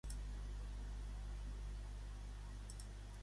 Demana opinió a la Montserrat sobre aquest tema?